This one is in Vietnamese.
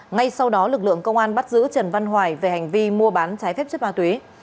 ngay sau đó lực lượng công an bắt giữ trần văn hoài về hành vi mua bán trái phép chất ma túy